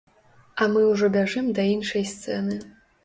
А мы ўжо бяжым да іншай сцэны.